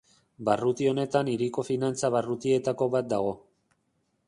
Barruti honetan hiriko finantza barrutietako bat dago.